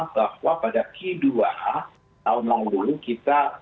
bahwa pada ke dua tahun lalu kita